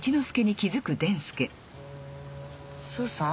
スーさん？